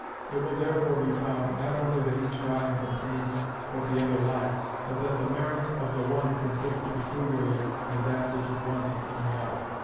It will therefore be found, not only that each volume contains what the other lacks, but that the merits of the one consist peculiarly in that which is wanting in the other.